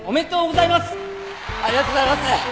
ありがとうございます！